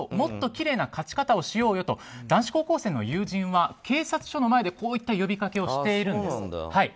もっときれいな勝ち方をしようと男子高校生の友人は警察署の前でこういった呼びかけをしているんです。